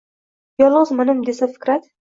Yolg’iz manim desa fikrat